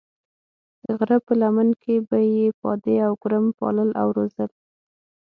د غره په لمن کې به یې پادې او ګورم پالل او روزل.